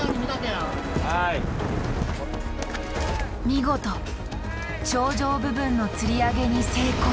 見事頂上部分のつり上げに成功。